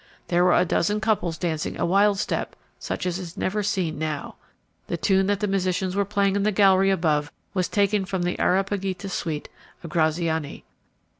There were a dozen couples dancing a wild step such as is never seen now. The tune that the musicians were playing in the gallery above was taken from the 'Areopagita' suite of Graziani.